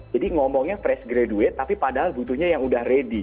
jadi ngomongnya fresh graduate tapi padahal butuhnya yang sudah ready